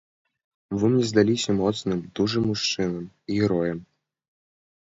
Вы мне здаліся моцным, дужым мужчынам, героем.